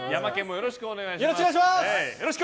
よろしくお願いします！